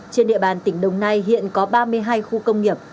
trên địa bàn tỉnh đồng nai hiện có ba mươi hai khu công nghiệp